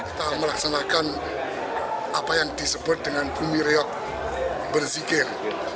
kita melaksanakan apa yang disebut dengan bumi reyok bersikir